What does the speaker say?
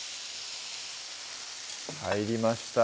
入りました